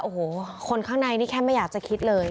โอ้โหคนข้างในนี่แค่ไม่อยากจะคิดเลย